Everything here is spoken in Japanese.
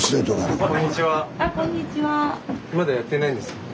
まだやってないんですね。